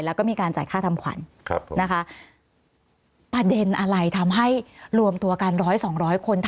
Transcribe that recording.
แล้วก็มีการจ่ายค่าทำขวัญนะคะประเด็นอะไรทำให้รวมตัวกันร้อยสองร้อยคน